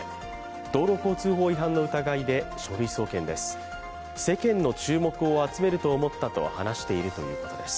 道路交通法違反の疑いで書類送検です。